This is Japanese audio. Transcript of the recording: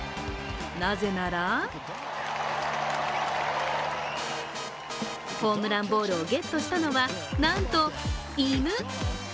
なぜならホームランボールをゲットしたのは、なんと、犬。